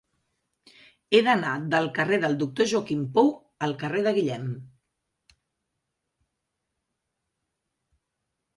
He d'anar del carrer del Doctor Joaquim Pou al carrer de Guillem.